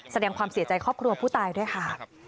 แสดงความเสียใจครอบครัวผู้ตายด้วยค่ะ